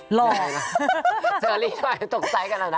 หล่อเจอลี่หน่อยตกใจกันหน่อยนะ